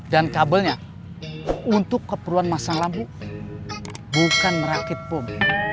dan kabelnya untuk keperluan masang lampu bukan merakit bom